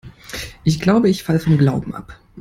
Ich glaube, ich falle vom Glauben ab.